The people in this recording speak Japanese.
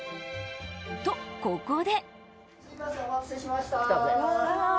と、ここで。